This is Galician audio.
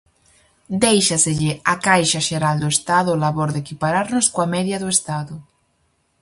Déixaselle á caixa xeral do Estado o labor de equipararnos coa media do Estado.